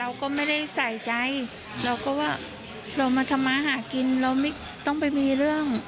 เราก็ไม่ได้ใส่ใจเราก็ว่าเรามาทำมาหากินเราไม่ต้องไปมีเรื่อง